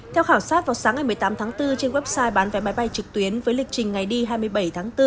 theo khảo sát vào sáng ngày một mươi tám tháng bốn trên website bán vé máy bay trực tuyến với lịch trình ngày đi hai mươi bảy tháng bốn